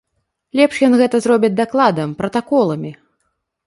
Лепш ён гэта зробіць дакладам, пратаколамі.